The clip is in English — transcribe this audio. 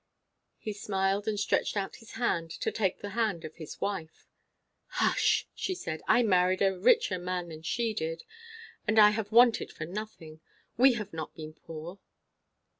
He smiled and stretched out his hand to take the hand of his wife. "Hush!" she said. "I married a richer man than she did. And I have wanted for nothing. We have not been poor."